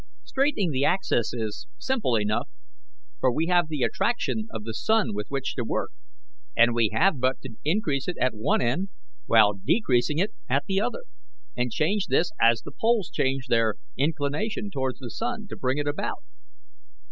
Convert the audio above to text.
Straightening the axis is simple enough, for we have the attraction of the sun with which to work, and we have but to increase it at one end while decreasing it at the other, and change this as the poles change their inclination towards the sun, to bring it about.